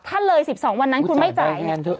เลย๑๒วันนั้นคุณไม่จ่าย